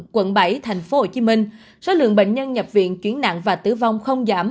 quận bảy thành phố hồ chí minh số lượng bệnh nhân nhập viện chuyển nạn và tử vong không giảm